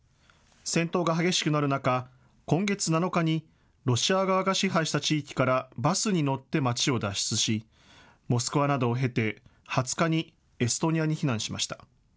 戦闘が激しくなる中、今月７日にロシア側が支配した地域からバスに乗って町を脱出し、モスクワなどを経て、２０日にエストニアに避難しました。